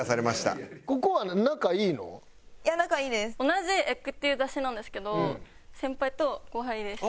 同じ『ｅｇｇ』っていう雑誌なんですけど先輩と後輩です。